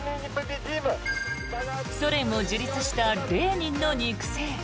ソ連を樹立したレーニンの肉声。